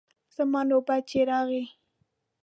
زما نوبت چې راغی.